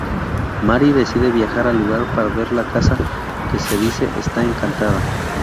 Mary decide viajar al lugar para ver la casa que se dice está encantada.